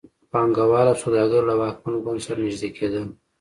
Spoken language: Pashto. پانګوال او سوداګر له واکمن ګوند سره نږدې کېدل.